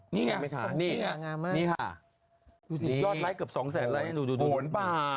นี่ค่ะนี่ค่ะยอดไลค์เกือบ๒๐๐๐๐๐ไลค์โหนบาร์